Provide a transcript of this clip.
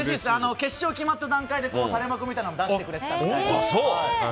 決勝決まった段階で垂れ幕みたいなのも出してくれてたので。